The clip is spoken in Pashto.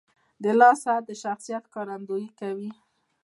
• د لاس ساعت د شخصیت ښکارندویي کوي.